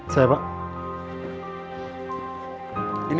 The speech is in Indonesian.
seh saya rindu